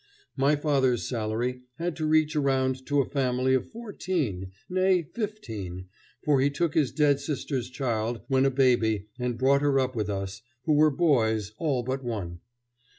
My father's salary had to reach around to a family of fourteen, nay, fifteen, for he took his dead sister's child when a baby and brought her up with us, who were boys all but one.